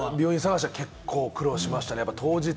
病院探しは結構苦労しました。